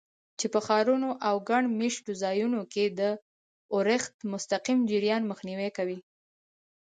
چې په ښارونو او ګڼ مېشتو ځایونو کې د اورښت مستقیم جریان مخنیوی کوي.